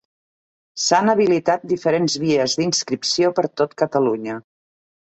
S'han habilitat diferents vies d'inscripció per tot Catalunya.